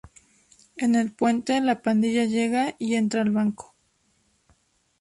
En el puente, la pandilla llega y entra al banco.